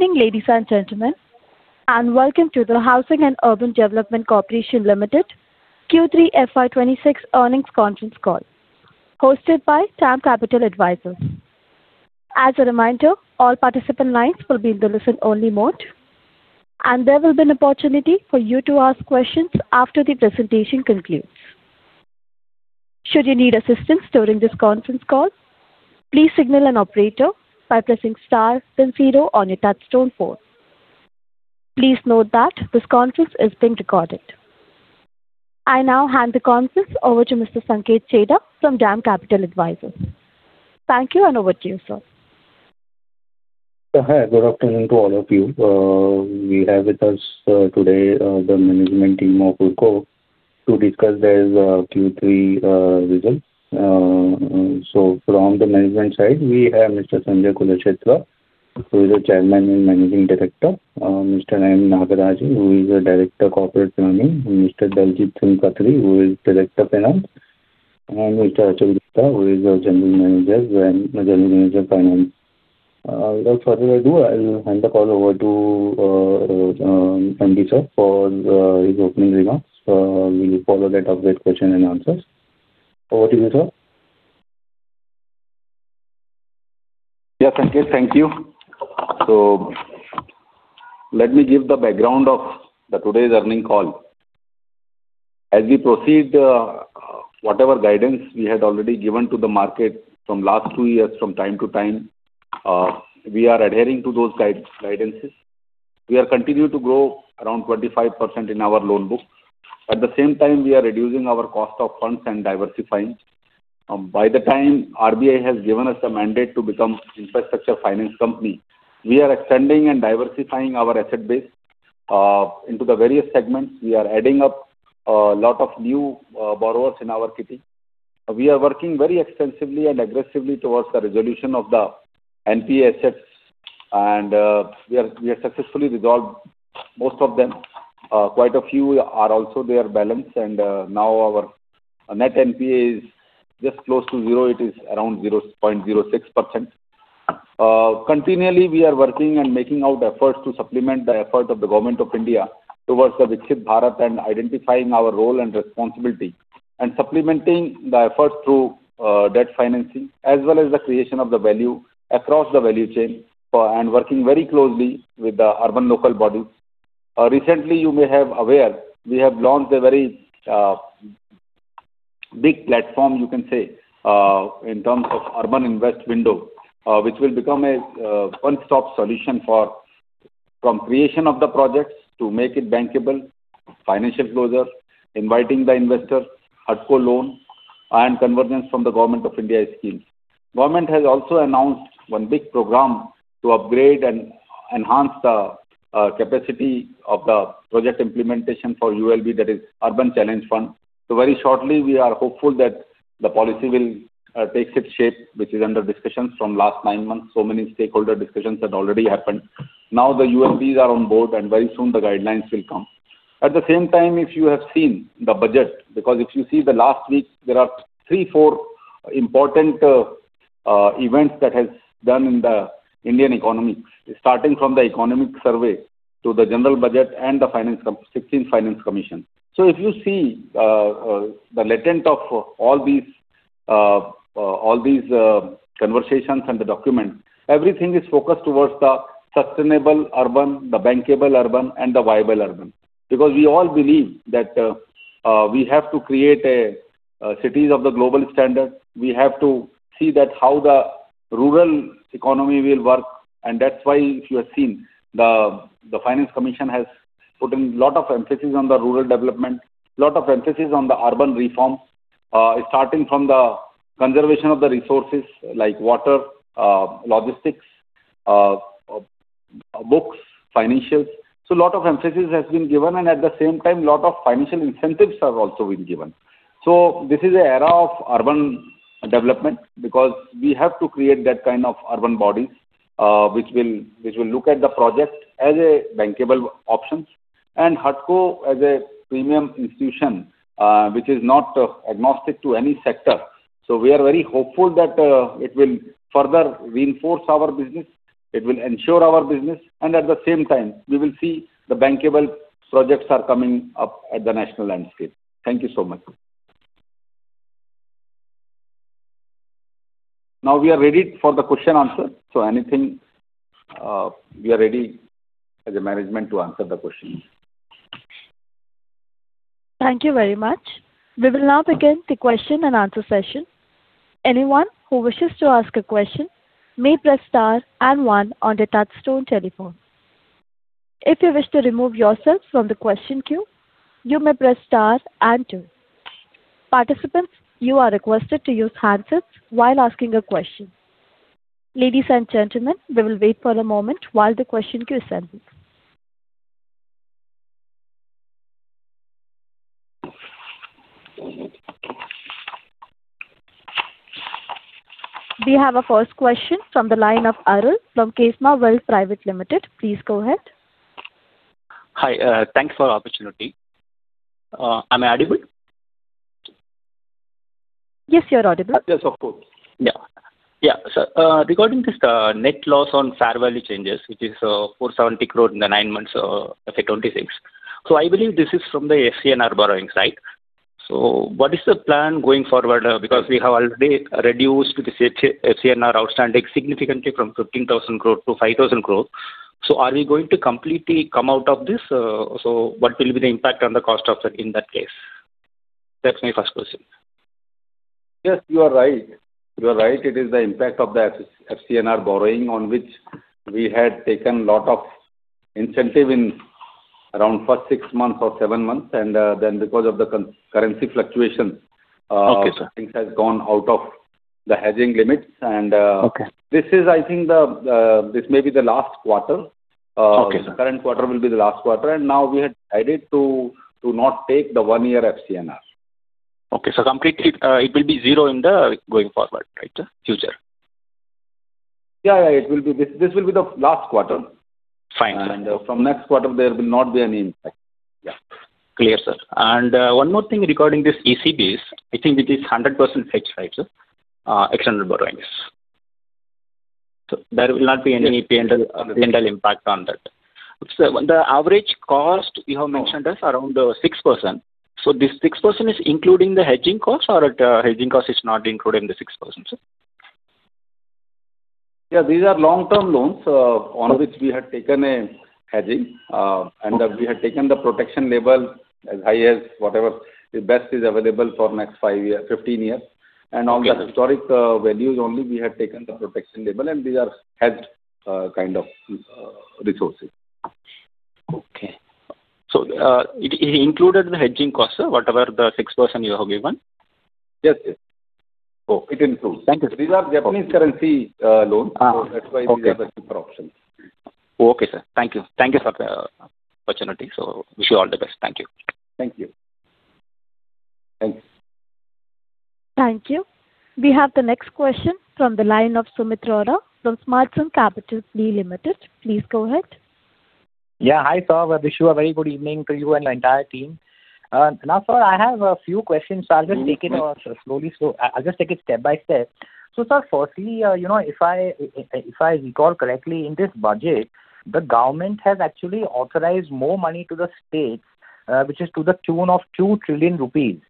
Evening, ladies and gentlemen, and welcome to the Housing and Urban Development Corporation Limited Q3 FY 2026 earnings conference call, hosted by DAM Capital Advisors. As a reminder, all participant lines will be in the listen-only mode, and there will be an opportunity for you to ask questions after the presentation concludes. Should you need assistance during this conference call, please signal an operator by pressing star then zero on your touchtone phone. Please note that this conference is being recorded. I now hand the conference over to Mr. Sanket Chheda from DAM Capital Advisors. Thank you, and over to you, sir. Hi, good afternoon to all of you. We have with us today the management team of HUDCO to discuss their Q3 results. From the management side, we have Mr. Sanjay Kulshrestha, who is the Chairman and Managing Director, Mr. M. Nagaraj, who is the Director, Corporate Planning, and Mr. Daljeet Singh Khatri, who is Director, Finance, and Mr. Achal Gupta, who is our General Manager, Finance. Without further ado, I'll hand the call over to Sanjay sir for his opening remarks. We'll follow that up with question and answers. Over to you, sir. Yeah, Sanket, thank you. So let me give the background of today's earnings call. As we proceed, whatever guidance we had already given to the market from last two years, from time to time, we are adhering to those guidances. We are continue to grow around 25% in our loan book. At the same time, we are reducing our cost of funds and diversifying. By the time RBI has given us the mandate to become infrastructure finance company, we are extending and diversifying our asset base into the various segments. We are adding up a lot of new borrowers in our kitty. We are working very extensively and aggressively towards the resolution of the NPA assets and we are, we have successfully resolved most of them. Quite a few are also there balanced and now our net NPA is just close to zero. It is around 0.06%. Continually, we are working and making out efforts to supplement the effort of the Government of India towards the Viksit Bharat and identifying our role and responsibility, and supplementing the efforts through debt financing, as well as the creation of the value across the value chain, and working very closely with the urban local bodies. Recently, you may have aware, we have launched a very big platform, you can say, in terms of urban invest window, which will become a one-stop solution for from creation of the projects, to make it bankable, financial closure, inviting the investors, HUDCO loan, and convergence from the Government of India schemes. Government has also announced one big program to upgrade and enhance the capacity of the project implementation for ULB, that is Urban Challenge Fund. So very shortly, we are hopeful that the policy will take its shape, which is under discussions from last nine months. So many stakeholder discussions had already happened. Now, the ULBs are on board, and very soon the guidelines will come. At the same time, if you have seen the budget, because if you see the last week, there are three, four important events that has done in the Indian economy. Starting from the economic survey to the general budget and the Sixteenth Finance Commission. So if you see the intent of all these conversations and the documents, everything is focused towards the sustainable urban, the bankable urban, and the viable urban. Because we all believe that, we have to create cities of the global standard. We have to see that how the rural economy will work, and that's why, if you have seen, the Finance Commission has put in lot of emphasis on the rural development, lot of emphasis on the urban reform. Starting from the conservation of the resources like water, logistics, books, financials. So lot of emphasis has been given, and at the same time, lot of financial incentives have also been given. So this is an era of urban development, because we have to create that kind of urban body, which will look at the project as a bankable options. And HUDCO as a premium institution, which is not agnostic to any sector. So we are very hopeful that it will further reinforce our business, it will ensure our business, and at the same time, we will see the bankable projects are coming up at the national landscape. Thank you so much. Now we are ready for the question answer. So anything, we are ready as a management to answer the questions. Thank you very much. We will now begin the question and answer session. Anyone who wishes to ask a question may press star and one on their touchtone telephone. If you wish to remove yourself from the question queue, you may press star and two. Participants, you are requested to use handsets while asking a question. Ladies and gentlemen, we will wait for a moment while the question queue is sending. We have our first question from the line of Arul from Kesma Wealth Private Limited. Please go ahead. Hi, thank you for the opportunity. Am I audible? Yes, you are audible. Yes, of course. Yeah. Yeah, regarding this, the net loss on fair value changes, which is 470 crore in the nine months of 2026. So I believe this is from the FCNR borrowings, right? So what is the plan going forward? Because we have already reduced this FCNR outstanding significantly from 15,000 crore to 5,000 crore. So are we going to completely come out of this? So what will be the impact on the cost of that in that case? That's my first question. Yes, you are right. You are right, it is the impact of that FCNR borrowing on which we had taken a lot of incentive in around first six months or seven months and then because of the currency fluctuations. Okay, sir. Things has gone out of the hedging limits, and Okay. This is, I think, this may be the last quarter. Okay. The current quarter will be the last quarter, and now we have decided to not take the one-year FCNR. Okay, so completely, it will be zero in the going forward, right, future? Yeah, yeah, it will be. This will be the last quarter. Fine. From next quarter, there will not be any impact. Yeah. Clear, sir. One more thing regarding these ECBs, I think it is 100% hedge, right, sir? External borrowings. So there will not be any rental, rental impact on that. Sir, the average cost you have mentioned is around, 6%. So this 6% is including the hedging cost or the hedging cost is not included in the 6%, sir? Yeah, these are long-term loans, on which we had taken a hedging, and we had taken the protection level as high as whatever the best is available for next five years, 15 years. Okay. On the historic values only, we have taken the protection level, and these are hedged kind of resources. Okay. So, it included the hedging cost, sir, whatever the 6% you have given? Yes, yes. It includes. Thank you, sir. These are Japanese currency loan. Uh, okay. That's why we have the cheaper option. Okay, sir. Thank you. Thank you for the opportunity. Wish you all the best. Thank you. Thank you. Thanks. Thank you. We have the next question from the line of Sumit Rohra from Smartsun Capital Limited. Please go ahead. Yeah. Hi, sir. Wish you a very good evening to you and the entire team. Now, sir, I have a few questions, so I'll just take it slowly. I'll just take it step by step. So, sir, firstly, you know, if I recall correctly, in this budget, the government has actually authorized more money to the states, which is to the tune of 2 trillion rupees.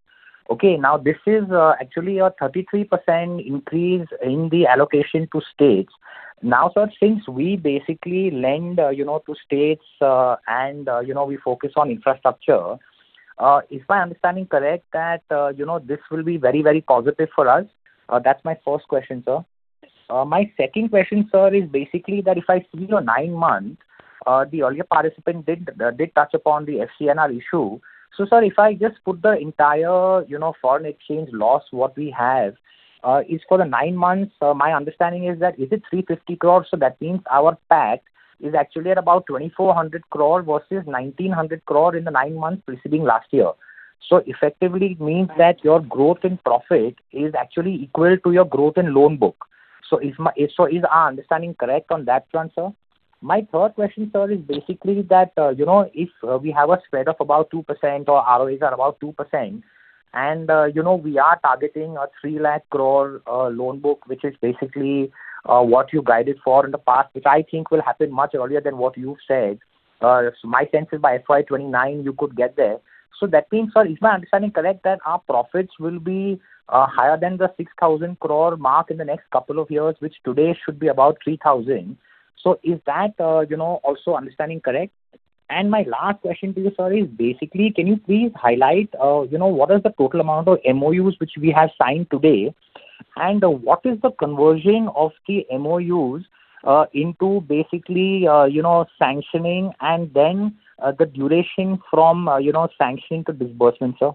Okay, now, this is actually a 33% increase in the allocation to states. Now, sir, since we basically lend, you know, to states, and, you know, we focus on infrastructure, is my understanding correct that, you know, this will be very, very positive for us? That's my first question, sir. My second question, sir, is basically that if I see your nine months, the earlier participant did touch upon the FCNR issue. So, sir, if I just put the entire, you know, foreign exchange loss, what we have, is for the nine months, my understanding is that is it 350 crore, so that means our PAC is actually at about 2,400 crore versus 1,900 crore in the nine months preceding last year. So effectively, it means that your growth in profit is actually equal to your growth in loan book. So is our understanding correct on that front, sir? My third question, sir, is basically that, you know, if we have a spread of about 2% or ROEs are about 2%, and, you know, we are targeting a 300,000 crore loan book, which is basically what you guided for in the past, which I think will happen much earlier than what you've said. My sense is by FY 2029, you could get there. So that means, sir, is my understanding correct, that our profits will be higher than the 6,000 crore mark in the next couple of years, which today should be about 3,000? So is that, you know, also understanding correct? And my last question to you, sir, is basically, can you please highlight, you know, what is the total amount of MOUs which we have signed today? What is the conversion of the MOUs into basically, you know, sanctioning and then the duration from you know, sanctioning to disbursement, sir?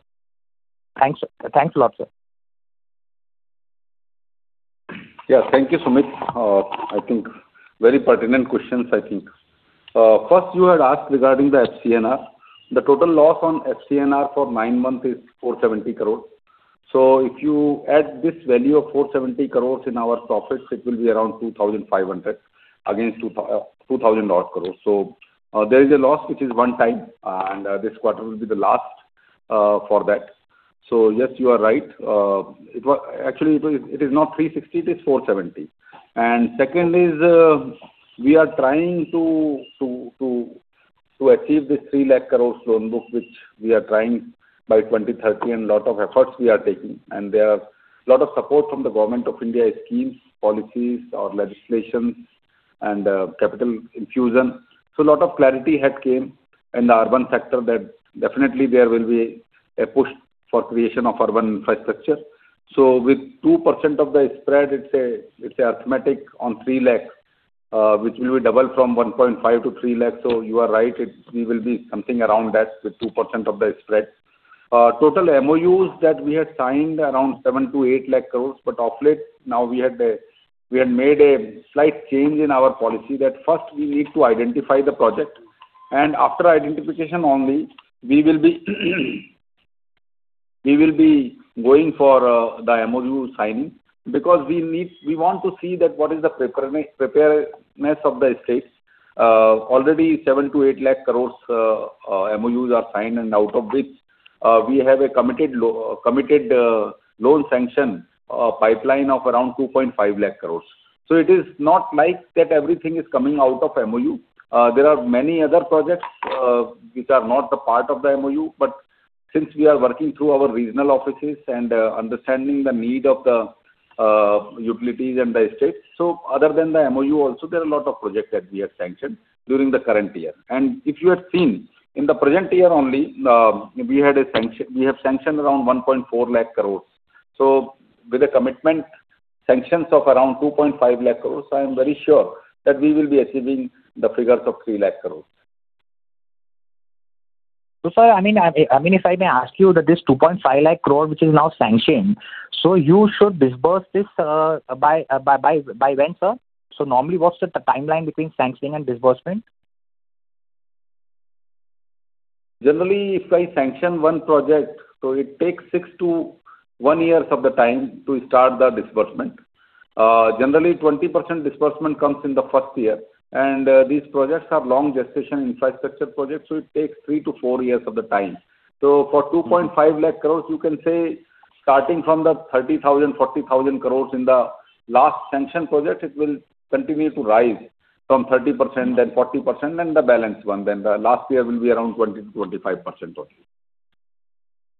Thanks. Thanks a lot, sir. Yeah. Thank you, Sumit. I think very pertinent questions, I think. First you had asked regarding the FCNR. The total loss on FCNR for nine months is 470 crore. So if you add this value of 470 crore in our profits, it will be around 2,500, against 2,000-odd crore. So, there is a loss which is one time, and this quarter will be the last, for that. So yes, you are right. It was, actually, it is, it is not 360 crore, it is 470 crore. And second is, we are trying to achieve this 3 lakh loan book, which we are trying by 2030, and a lot of efforts we are taking. There are a lot of support from the Government of India schemes, policies or legislations and, capital infusion. So a lot of clarity had came in the urban sector that definitely there will be a push for creation of urban infrastructure. So with 2% of the spread, it's arithmetic on 3 lakh, which will be double from 1.5 lakh- 3 lakh. So you are right, we will be something around that, with 2% of the spread. Total MOUs that we have signed around 7 lakh crore-8 lakh crore, but of late, now we had, we had made a slight change in our policy, that first we need to identify the project, and after identification only, we will be, we will be going for, the MOU signing. Because we need we want to see that what is the preparedness of the states. Already 7 lakh-8 lakh crores MOUs are signed, and out of which, we have a committed loan sanction pipeline of around two point 5 lakh crores. So it is not like that everything is coming out of MOU. There are many other projects which are not the part of the MOU, but since we are working through our regional offices and understanding the need of the utilities and the states, so other than the MOU also, there are a lot of projects that we have sanctioned during the current year. And if you have seen, in the present year only, we have sanctioned around 1.4 lakh crores. With commitment sanctions of around 2.5 lakh crore, I am very sure that we will be achieving the figures of 3 lakh crore. So sir, I mean, if I may ask you that this 2.5 lakh crore, which is now sanctioned, so you should disburse this by when, sir? So normally, what's the timeline between sanctioning and disbursement? Generally, if I sanction one project, so it takes six to one years of the time to start the disbursement. Generally, 20% disbursement comes in the first year, and these projects are long gestation infrastructure projects, so it takes three to four years of the time. So for 2.5 lakh crore, you can say, starting from the 30,000-40,000 crore in the last sanction project, it will continue to rise from 30%, then 40%, and the balance one, then the last year will be around 20%-25% only.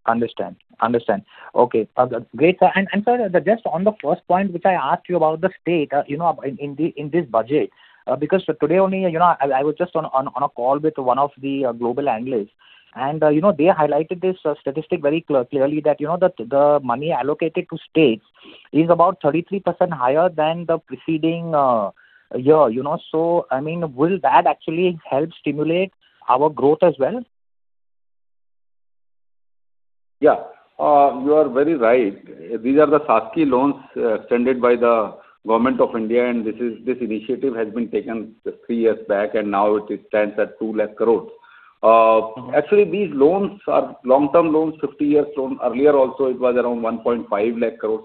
Understand. Understand. Okay, great, sir. And, sir, just on the first point, which I asked you about the state, you know, in, in the, in this budget, because today only, you know, I, I was just on a, on a call with one of the, global analysts, and, you know, they highlighted this, statistic very clearly, that, you know, the, the money allocated to states is about 33% higher than the preceding, year, you know, so, I mean, will that actually help stimulate our growth as well? Yeah, you are very right. These are the SASCI loans extended by the Government of India, and this is, this initiative has been taken three years back, and now it, it stands at INR 2lakh crore. Actually, these loans are long-term loans, 50-year loans. Earlier also, it was around 1.5 lakh crore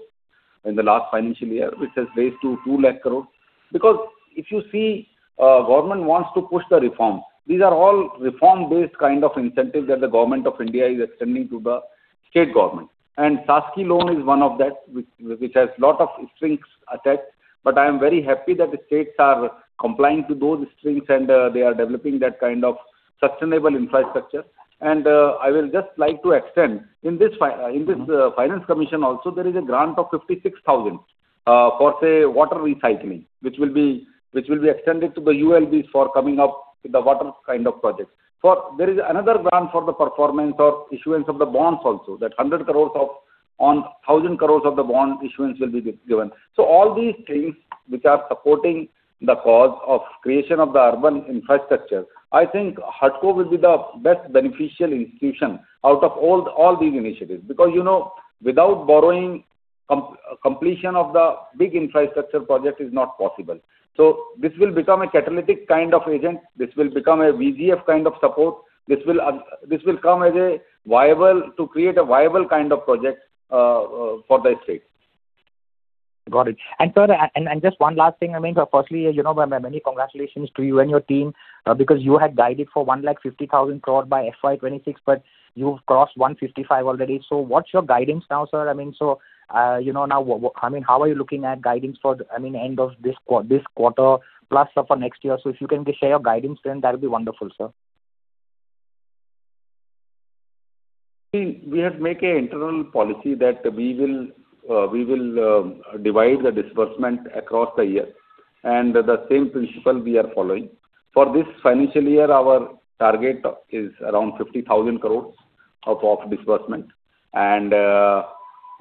in the last financial year, which has raised to 2 lakh crore. Because if you see, government wants to push the reforms. These are all reform-based kind of incentives that the government of India is extending to the state government. And SASCI loan is one of that, which has a lot of strings attached, but I am very happy that the states are complying to those strings, and they are developing that kind of sustainable infrastructure. I will just like to extend. In this Finance Commission also, there is a grant of 56,000 for, say, water recycling, which will be extended to the ULBs for coming up with the water kind of projects. There is another grant for the performance or issuance of the bonds also, that 100 crores or 1,000 crores of the bond issuance will be given. So all these things which are supporting the cause of creation of the urban infrastructure, I think HUDCO will be the best beneficial institution out of all these initiatives. Because, you know, without borrowing, completion of the big infrastructure project is not possible. So this will become a catalytic kind of agent. This will become a VGF kind of support. This will come as a viable to create a viable kind of project for the state. Got it. And sir, and just one last thing. I mean, firstly, you know, many congratulations to you and your team, because you had guided for 1.5 lakh crore by FY 2026, but you've crossed 155,000 crore already. So what's your guidance now, sir? I mean, so, you know, now what, I mean, how are you looking at guidance for, I mean, end of this quarter, plus for next year? So if you can just share your guidance then that'll be wonderful, sir. We have made an internal policy that we will divide the disbursement across the year, and the same principle we are following. For this financial year, our target is around 50,000 crore of disbursement. And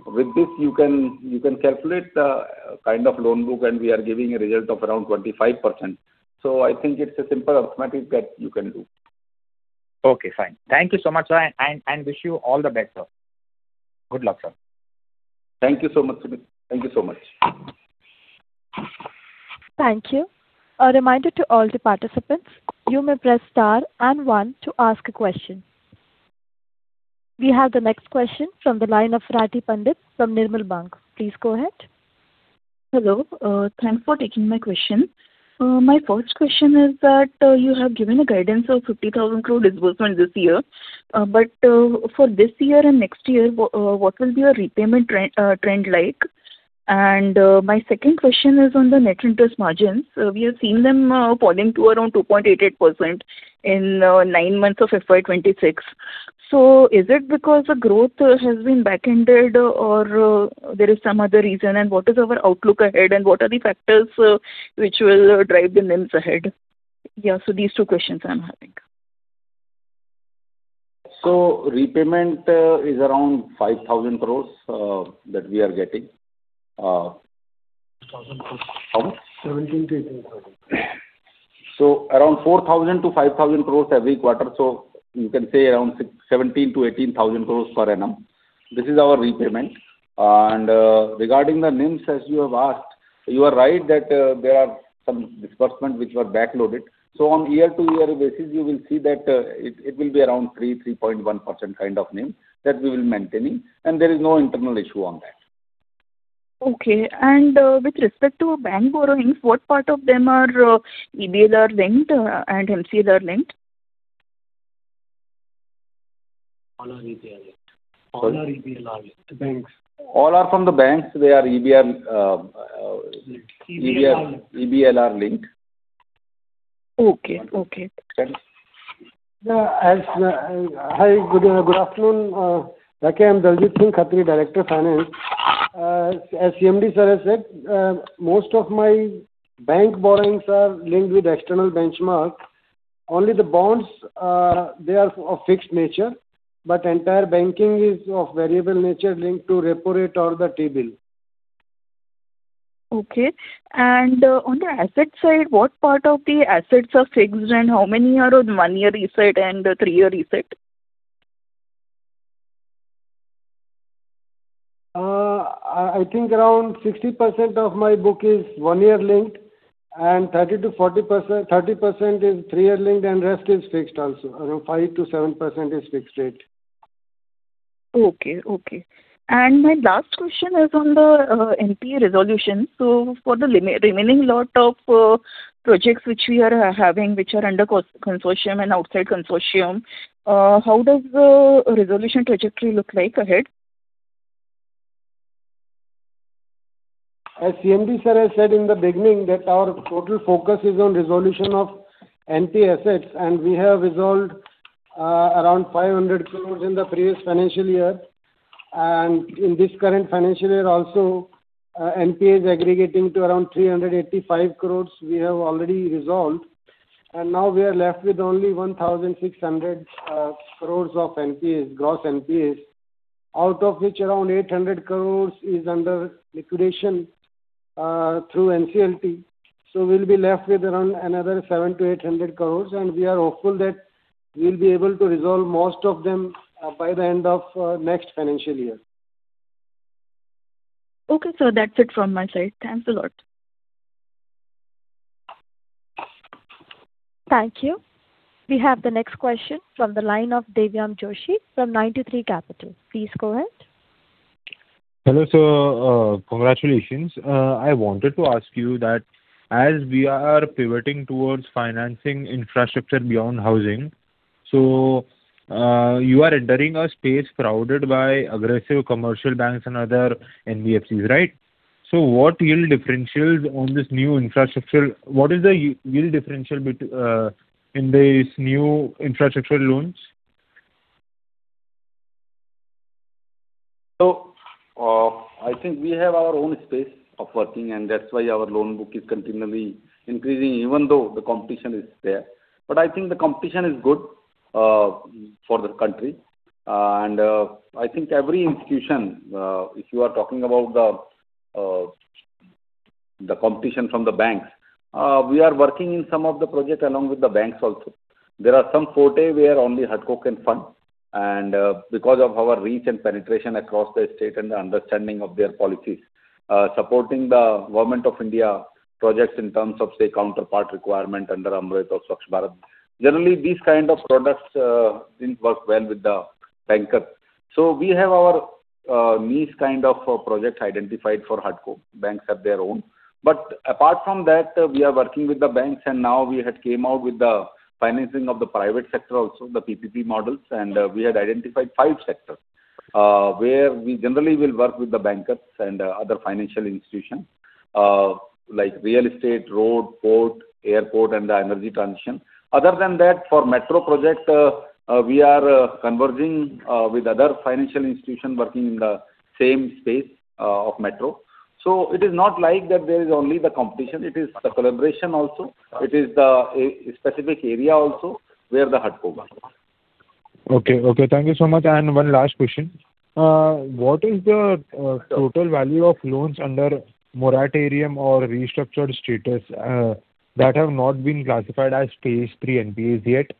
with this, you can calculate the kind of loan book, and we are giving a result of around 25%. So I think it's a simple arithmetic that you can do. Okay, fine. Thank you so much, sir, and wish you all the best, sir. Good luck, sir. Thank you so much, Sumit. Thank you so much. Thank you. A reminder to all the participants, you may press star and one to ask a question. We have the next question from the line of Rati Pandit, from Nirmal Bang. Please go ahead. Hello, thanks for taking my question. My first question is that you have given a guidance of 50,000 crore disbursement this year, but for this year and next year, what will be your repayment trend like? And my second question is on the net interest margins. We have seen them falling to around 2.88% in nine months of FY 2026. So is it because the growth has been backended or there is some other reason? And what is our outlook ahead, and what are the factors which will drive the NIMs ahead? Yeah, so these two questions I'm having. Repayment is around 5,000 crore that we are getting. 17,000-18,000. Around 4,000 crore-5,000 crore every quarter, so you can say around 17,000 crore-18,000 crore per annum. This is our repayment. Regarding the NIMs, as you have asked, you are right that there are some disbursements which were backloaded. On year-to-year basis, you will see that it will be around 3%-3.1% kind of NIM that we will maintaining, and there is no internal issue on that. Okay, and, with respect to bank borrowings, what part of them are, EBLR linked, and MCLR linked? All are EBLR. All are EBLR linked, the banks. All are from the banks, they are EBL. EBLR linked. Okay. Okay, thanks. Hi, good afternoon, I'm Daljeet Singh Khatri, Director, Finance. As CMD sir has said, most of my bank borrowings are linked with external benchmark. Only the bonds, they are of fixed nature, but entire banking is of variable nature, linked to repo rate or the T-bill. Okay. On the asset side, what part of the assets are fixed, and how many are on one-year reset and three-year reset? I think around 60% of my book is one-year linked, and 30%-40%-- 30% is three-year linked, and rest is fixed also, around 5%-7% is fixed rate. Okay, okay. My last question is on the NPA resolution. So for the remaining lot of projects which we are having, which are under consortium and outside consortium, how does the resolution trajectory look like ahead? As CMD sir has said in the beginning, that our total focus is on resolution of NPA assets, and we have resolved around 500 crores in the previous financial year. In this current financial year also, NPAs aggregating to around 385 crore, we have already resolved. Now we are left with only 1,600 crore of NPAs, gross NPAs, out of which around 800 crore is under liquidation through NCLT. So we'll be left with around another 700 crore-800 crore, and we are hopeful that we'll be able to resolve most of them by the end of next financial year. Okay, sir. That's it from my side. Thanks a lot. Thank you. We have the next question from the line of Devam Joshi, from 93 Capital. Please go ahead. Hello, sir. Congratulations. I wanted to ask you that as we are pivoting towards financing infrastructure beyond housing, so you are entering a space crowded by aggressive commercial banks and other NBFCs, right? So what yield differentials on this new infrastructure? What is the yield differential in these new infrastructure loans? So, I think we have our own space of working, and that's why our loan book is continually increasing, even though the competition is there. But I think the competition is good for the country. And, I think every institution, if you are talking about the, the competition from the banks, we are working in some of the projects along with the banks also. There are some forte where only HUDCO can fund and because of our reach and penetration across the state and the understanding of their policies, supporting the government of India projects in terms of, say, counterpart requirement under AMRUT or Swachh Bharat. Generally, these kind of products didn't work well with the bankers. So we have our niche kind of projects identified for HUDCO. Banks have their own. But apart from that, we are working with the banks, and now we had came out with the financing of the private sector also, the PPP models, and, we had identified five sectors, where we generally will work with the bankers and other financial institutions, like real estate, road, port, airport, and the energy transition. Other than that, for metro projects, we are converging with other financial institutions working in the same space of metro. So it is not like that there is only the competition, it is the collaboration also. It is the specific area also where the HUDCO works. Okay. Okay, thank you so much. One last question: What is the total value of loans under moratorium or restructured status that have not been classified as Stage 3 NPAs yet?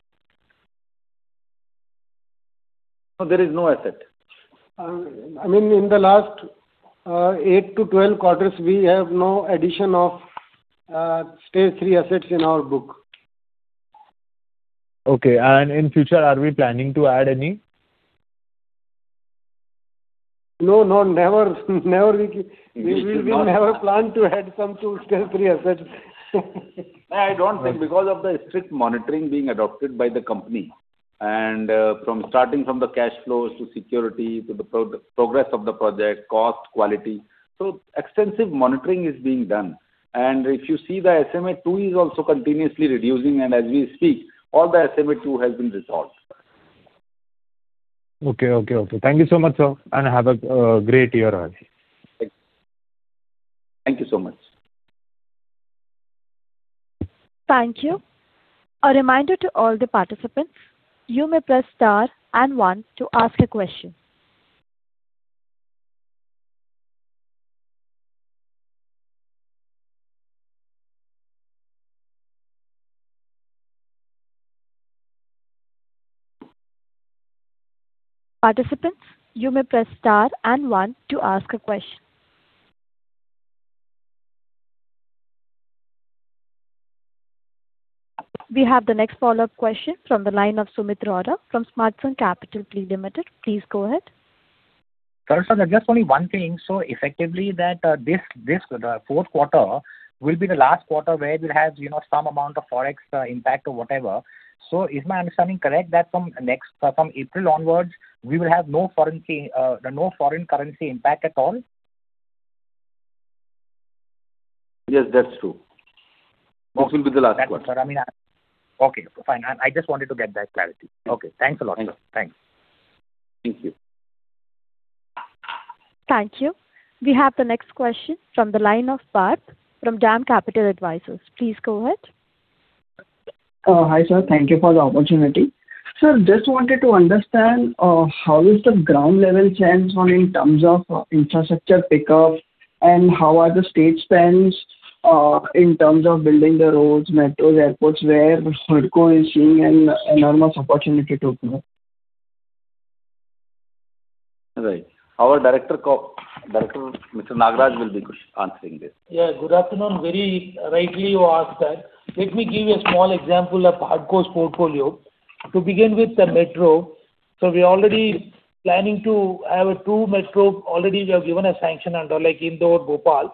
No, there is no asset. I mean, in the last eight to 12 quarters, we have no addition of Stage 3 assets in our book. Okay. In future, are we planning to add any? No, never. We will never plan to add some to Stage 3 Assets. I don't think because of the strict monitoring being adopted by the company, and from starting from the cash flows to security, to the progress of the project, cost, quality. So extensive monitoring is being done. And if you see, the SMA-2 is also continuously reducing, and as we speak, all the SMA-2 has been resolved. Okay, okay, okay. Thank you so much, sir, and have a great year ahead. Thank you so much. Thank you. A reminder to all the participants, you may press star and one to ask a question. Participants, you may press star and one to ask a question.... We have the next follow-up question from the line of Sumit Arora from Smart Sync Capital Limited. Please go ahead. Sir, just only one thing. So effectively, that, the fourth quarter will be the last quarter where it will have, you know, some amount of Forex impact or whatever. So is my understanding correct, that from next, from April onwards, we will have no currency, no foreign currency impact at all? Yes, that's true. This will be the last one. That's what, sir, I mean. Okay, fine. I just wanted to get that clarity. Okay. Thanks a lot. Thank you. Thanks. Thank you. Thank you. We have the next question from the line of Parth from Dam Capital Advisors. Please go ahead. Hi, sir. Thank you for the opportunity. Sir, just wanted to understand, how is the ground level change going in terms of infrastructure pickup, and how are the state spends, in terms of building the roads, metros, airports, where HUDCO is seeing an enormous opportunity to open up? Right. Our Director, Mr. Nagaraj, will be answering this. Yeah, good afternoon. Very rightly you asked that. Let me give you a small example of HUDCO's portfolio. To begin with, the metro. So we're already planning to have a two metro. Already, we have given a sanction under, like, Indore, Bhopal.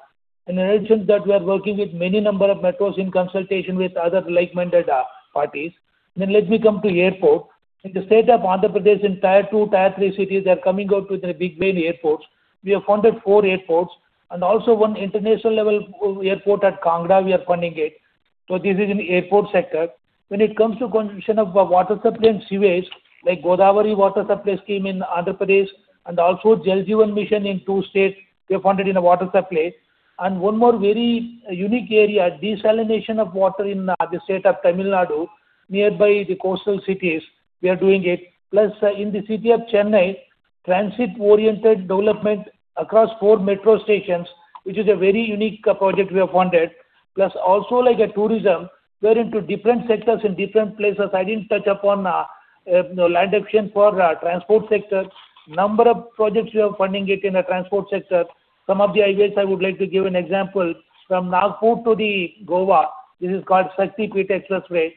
In addition, that we are working with many number of metros in consultation with other like-minded parties. Then let me come to airport. In the state of Andhra Pradesh, in Tier 2, Tier 3 cities, they are coming out with a big, big airports. We have funded four airports, and also one international level airport at Kangra, we are funding it. So this is in the airport sector. When it comes to construction of water supply and sewage, like Godavari Water Supply Scheme in Andhra Pradesh, and also Jal Jeevan Mission in two states, we have funded in a water supply. One more very unique area, desalination of water in the state of Tamil Nadu, nearby the coastal cities, we are doing it. Plus, in the city of Chennai, transit-oriented development across four metro stations, which is a very unique project we have funded. Plus, also like a tourism, we are into different sectors in different places. I didn't touch upon land acquisition for transport sector. Number of projects we are funding it in the transport sector. Some of the highways, I would like to give an example, from Nagpur to Goa, this is called Shaktipeeth Expressway,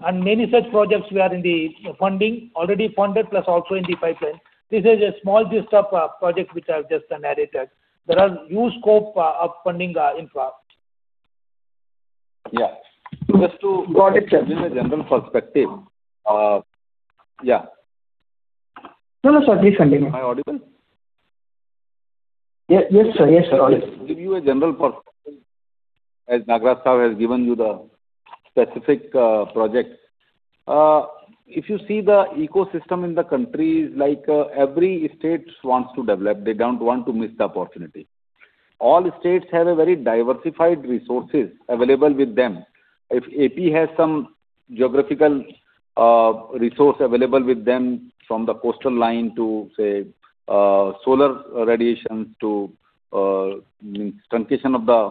and many such projects we are in the funding, already funded, plus also in the pipeline. This is a small list of projects which I've just narrated. There are new scope of funding, infra. Yeah. Just to- Got it, sir. Give you a general perspective... Yeah. No, no, sir, please continue. Am I audible? Yes, yes, sir. Yes, sir. Give you a general perspective, as Nagaraj sir has given you the specific project. If you see the ecosystem in the country, like, every state wants to develop, they don't want to miss the opportunity. All states have a very diversified resources available with them. If AP has some geographical resource available with them, from the coastal line to, say, solar radiation, to truncation of the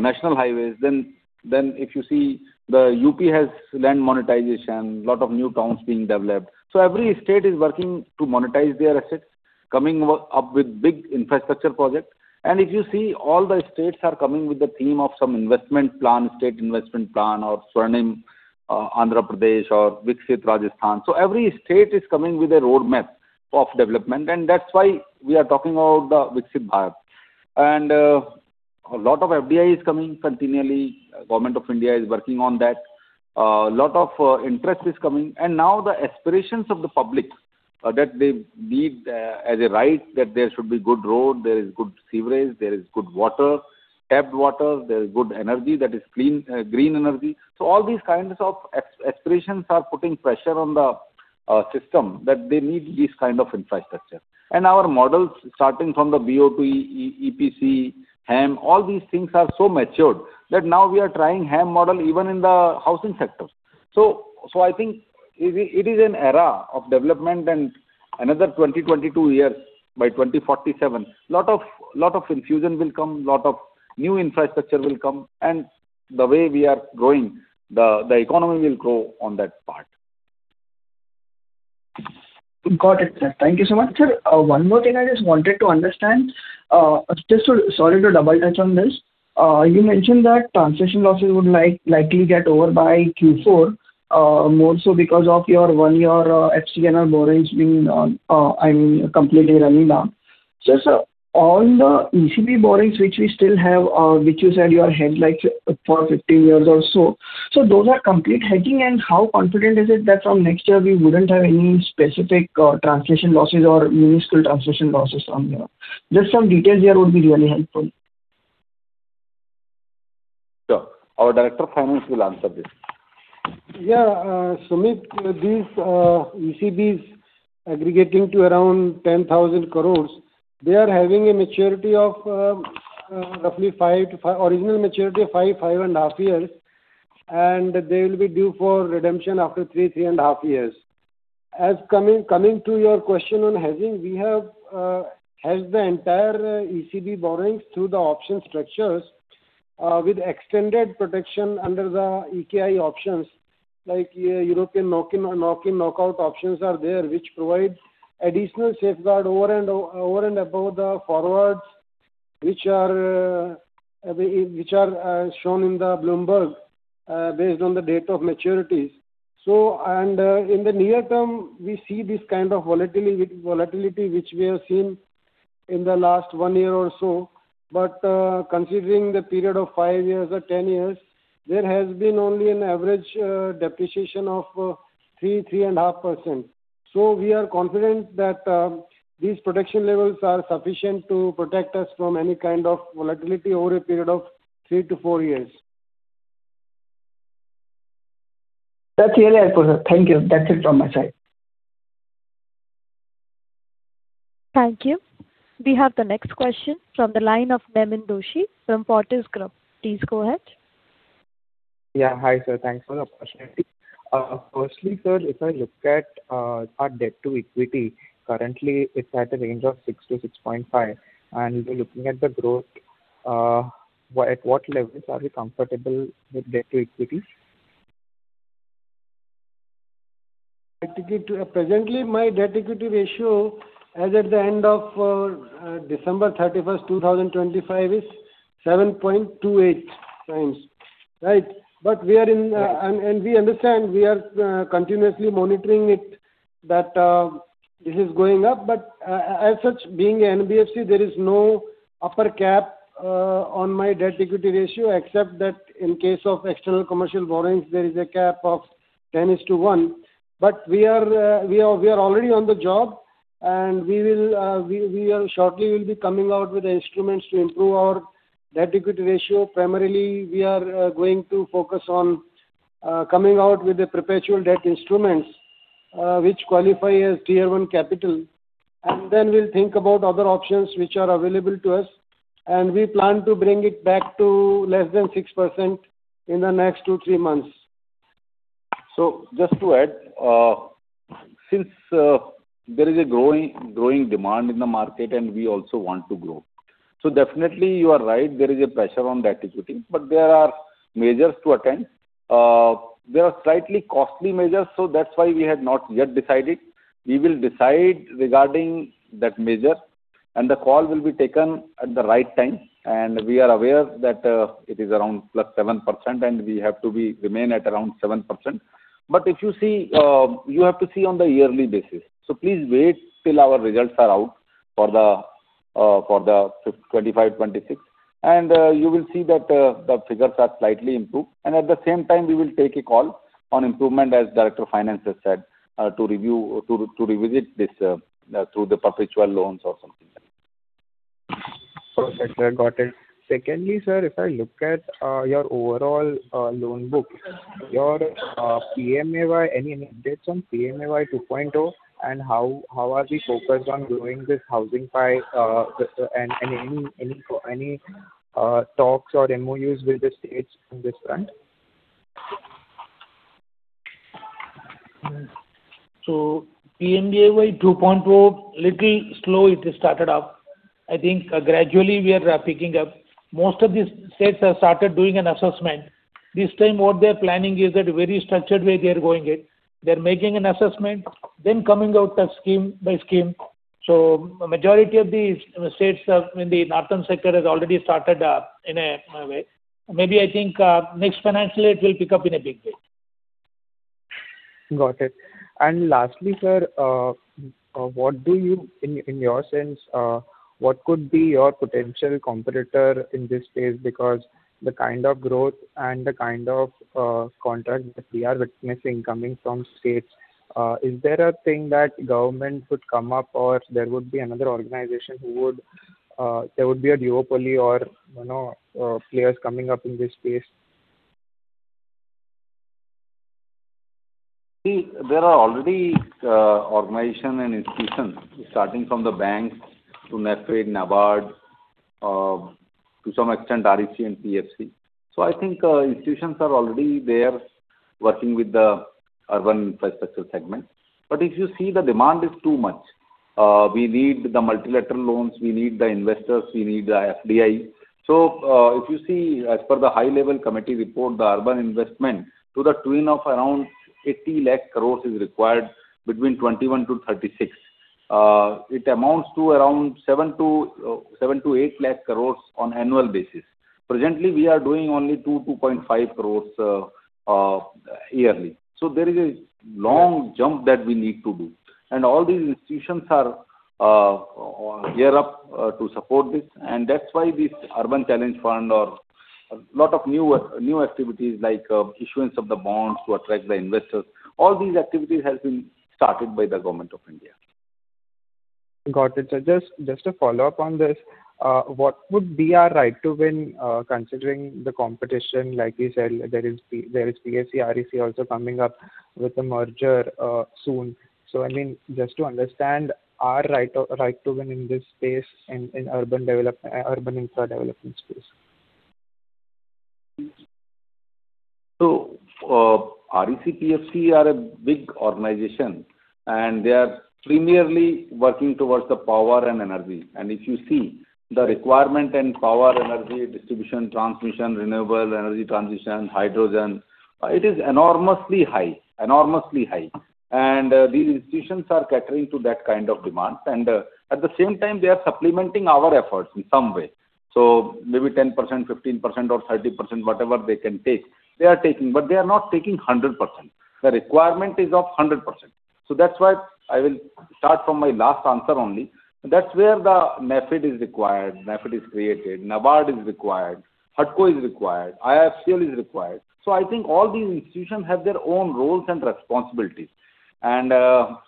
national highways, then if you see, the UP has land monetization, lot of new towns being developed. So every state is working to monetize their assets, coming up with big infrastructure projects. And if you see, all the states are coming with the theme of some investment plan, state investment plan, or Swarnim Andhra Pradesh or Viksit Rajasthan. So every state is coming with a roadmap of development, and that's why we are talking about the Viksit Bharat. A lot of FDI is coming continually. Government of India is working on that. A lot of interest is coming. And now the aspirations of the public, that they need, as a right, that there should be good road, there is good sewerage, there is good water, tapped water, there is good energy, that is clean, green energy. So all these kinds of aspirations are putting pressure on the system, that they need this kind of infrastructure. And our models, starting from the BOT, EPC, HAM, all these things are so matured that now we are trying HAM model even in the housing sector. So, I think it is an era of development and another 22 years, by 2047, a lot of infusion will come, a lot of new infrastructure will come, and the way we are growing, the economy will grow on that part. Got it, sir. Thank you so much, sir. One more thing I just wanted to understand, just to... Sorry to double-touch on this. You mentioned that translation losses would likely get over by Q4, more so because of your, one, your, FCNR borrowings being, I mean, completely running down. Just, on the ECB borrowings, which we still have, which you said you are hedged like for 15 years or so. So those are complete hedging, and how confident is it that from next year we wouldn't have any specific, translation losses or minuscule translation losses from there? Just some details here would be really helpful. Sure. Our Director of Finance will answer this. Yeah, Sumit, these ECBs aggregating to around 10,000 crores, they are having a maturity of roughly original maturity of five and five and a half years, and they will be due for redemption after three and three and a half years. Coming to your question on hedging, we have hedged the entire ECB borrowings through the option structures with extended protection under the E-KIKO options, like European knock-in knock-out options are there, which provide additional safeguard over and above the forwards. Which are shown in the Bloomberg based on the date of maturities. So and in the near term, we see this kind of volatility, volatility which we have seen in the last one year or so, but considering the period of five years or 10 years, there has been only an average depreciation of 3%-3.5%. So we are confident that these protection levels are sufficient to protect us from any kind of volatility over a period of three to four years. That's really it, thank you. That's it from my side. Thank you. We have the next question from the line of Naman Doshi from Potters Club. Please go ahead. Yeah. Hi, sir, thanks for the opportunity. Firstly, sir, if I look at our debt to equity, currently it's at a range of 6-6.5, and looking at the growth, at what levels are we comfortable with debt to equity? Presently, my debt-to-equity ratio as at the end of December 31st, 2025, is 7.28x, right? But we are in, and we understand, we are continuously monitoring it, that it is going up. But, as such, being an NBFC, there is no upper cap on my debt-to-equity ratio, except that in case of external commercial borrowings, there is a cap of 10:1. But we are already on the job, and we will shortly be coming out with the instruments to improve our debt-to-equity ratio. Primarily, we are going to focus on coming out with the perpetual debt instruments, which qualify as Tier 1 capital. And then we'll think about other options which are available to us, and we plan to bring it back to less than 6% in the next two, three months. So just to add, since there is a growing, growing demand in the market and we also want to grow. So definitely, you are right, there is a pressure on debt equity, but there are measures to attend. They are slightly costly measures, so that's why we have not yet decided. We will decide regarding that measure, and the call will be taken at the right time, and we are aware that it is around +7%, and we have to be remain at around 7%. But if you see, you have to see on the yearly basis. So please wait till our results are out for the 2025, 2026, and you will see that the figures are slightly improved. At the same time, we will take a call on improvement, as Director of Finance said, to review, to revisit this, through the perpetual loans or something like that. Okay, sir. Got it. Secondly, sir, if I look at your overall loan book, your PMAY, any updates on PMAY 2.0, and how are we focused on growing this housing pie, and any talks or MOUs with the states on this front? So PMAY 2.0, little slow it has started up. I think gradually we are picking up. Most of the states have started doing an assessment. This time, what they're planning is that very structured way they are going it. They're making an assessment, then coming out as scheme by scheme. So majority of these states are in the northern sector, has already started up in a way. Maybe, I think, next financial year, it will pick up in a big way. Got it. And lastly, sir, what do you... In your sense, what could be your potential competitor in this space? Because the kind of growth and the kind of contract that we are witnessing coming from states, is there a thing that government could come up, or there would be another organization who would, there would be a duopoly or, you know, players coming up in this space? See, there are already, organization and institutions, starting from the banks to NAFED, NABARD, to some extent, REC and PFC. So I think, institutions are already there, working with the urban infrastructural segment. But if you see, the demand is too much. We need the multilateral loans, we need the investors, we need the FDI. So, if you see, as per the high-level committee report, the urban investment to the tune of around 80 lakh crore is required between 2021-2036. It amounts to around 7 lakh crores-8 lakh crores on annual basis. Presently, we are doing only 2-2.5 crore yearly. So there is a long jump that we need to do. All these institutions are gearing up to support this, and that's why this Urban Challenge Fund or a lot of new, new activities like issuance of the bonds to attract the investors, all these activities has been started by the Government of India. Got it, sir. Just a follow-up on this. What would be our right to win, considering the competition? Like you said, there is PFC, REC also coming up with a merger soon. So, I mean, just to understand our right to win in this space, in urban development, urban infra development space. So, REC, PFC are a big organization.... And they are primarily working towards the power and energy. And if you see the requirement in power, energy, distribution, transmission, renewable energy transition, hydrogen, it is enormously high, enormously high! And these institutions are catering to that kind of demand, and at the same time, they are supplementing our efforts in some way. So maybe 10%, 15% or 30%, whatever they can take, they are taking, but they are not taking 100%. The requirement is of 100%. So that's why I will start from my last answer only. That's where the method is required, NaBFID is created, NaBFID is required, HUDCO is required, IIFCL is required. So I think all these institutions have their own roles and responsibilities.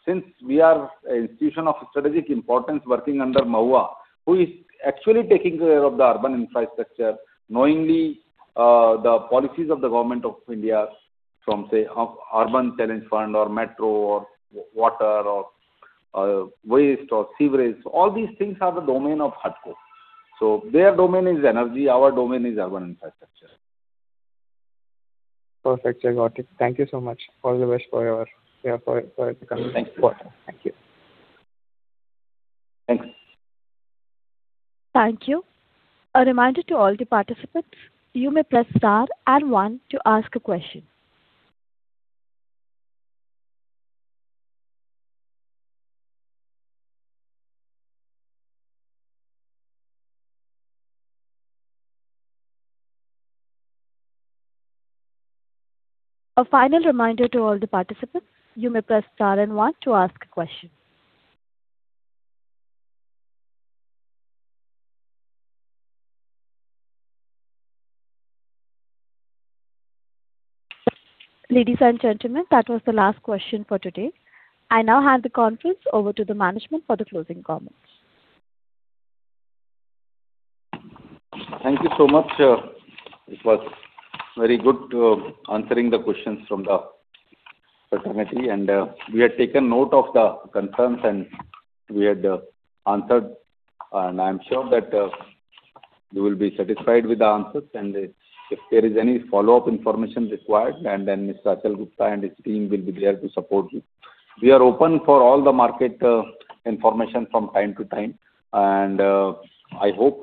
Since we are an institution of strategic importance working under MoHUA, who is actually taking care of the urban infrastructure, knowingly, the policies of the government of India from, say, Urban Challenge Fund or metro or water or waste or sewerage, all these things are the domain of HUDCO. So their domain is energy, our domain is urban infrastructure. Perfect, I got it. Thank you so much. All the best for your, yeah, for the company. Thank you. Thank you. Thank you. A reminder to all the participants, you may press star and one to ask a question. A final reminder to all the participants, you may press star and one to ask a question. Ladies and gentlemen, that was the last question for today. I now hand the conference over to the management for the closing comments. Thank you so much. It was very good answering the questions from the fraternity, and we had taken note of the concerns, and we had answered, and I'm sure that you will be satisfied with the answers. And if there is any follow-up information required, then Mr. Achal Gupta and his team will be there to support you. We are open for all the market information from time to time, and I hope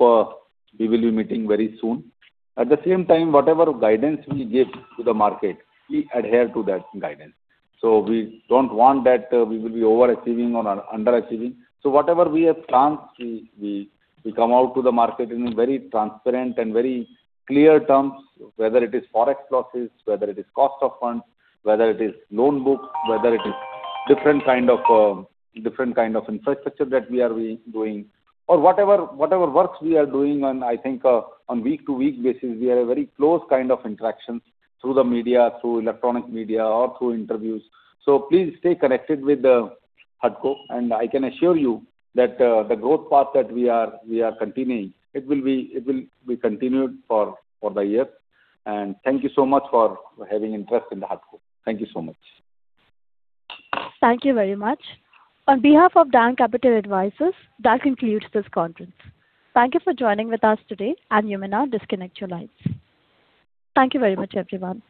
we will be meeting very soon. At the same time, whatever guidance we give to the market, we adhere to that guidance. So we don't want that we will be overachieving or underachieving. So whatever we have planned, we come out to the market in a very transparent and very clear terms, whether it is Forex losses, whether it is cost of funds, whether it is loan book, whether it is different kind of infrastructure that we are re-doing. Or whatever works we are doing on, I think, on week-to-week basis, we have a very close kind of interaction through the media, through electronic media or through interviews. So please stay connected with HUDCO, and I can assure you that the growth path that we are continuing, it will be continued for the year. And thank you so much for having interest in the HUDCO. Thank you so much. Thank you very much. On behalf of DAM Capital Advisors, that concludes this conference. Thank you for joining with us today, and you may now disconnect your lines. Thank you very much, everyone.